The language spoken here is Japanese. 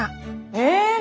え！